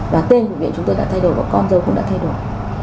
và tên của bệnh viện chúng tôi đã thay đổi và con dấu cũng đã thay đổi